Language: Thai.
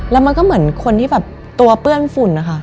แล้วมันก็เหมือนคนที่แบบตัวเปื้อนฝุ่นนะคะ